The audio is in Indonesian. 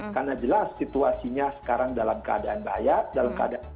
karena jelas situasinya sekarang dalam keadaan layak